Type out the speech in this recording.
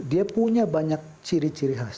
dia punya banyak ciri ciri khas